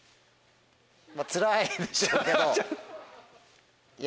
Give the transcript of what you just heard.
つらいでしょうけど。